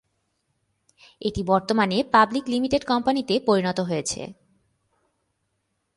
এটি বর্তমানে public limited কোম্পানিতে পরিণত হয়েছে।